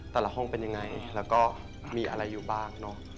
แต่ละห้องเป็นยังไงแล้วก็มีอะไรอยู่บ้างเนอะ